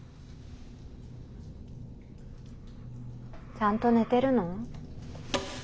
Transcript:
ちゃんと寝てるの？